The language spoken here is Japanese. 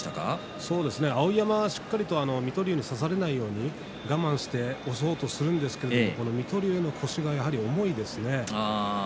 碧山はしっかりと中に差されないように我慢して押そうとするんですけど水戸龍の腰がやはり重いですね。